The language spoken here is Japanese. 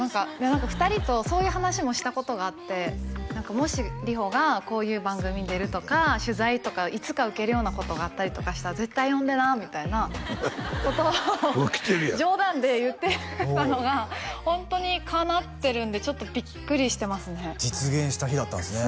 何か２人とそういう話もしたことがあってもし里帆がこういう番組に出るとか取材とかいつか受けるようなことがあったりとかしたら絶対呼んでなみたいなことを冗談で言ってたのがホントにかなってるんでちょっとビックリしてますね実現した日だったんですね